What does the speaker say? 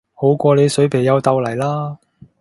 好過你水皮又豆泥啦